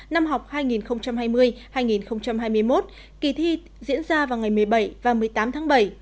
năm học hai nghìn hai mươi hai nghìn hai mươi một kỳ thi diễn ra vào ngày một mươi bảy và một mươi tám tháng bảy